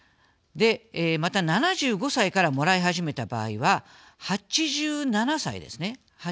また、７５歳からもらい始めた場合は８７歳ですね。